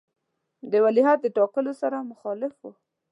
د ولیعهد د ټاکلو سره مخالف وو.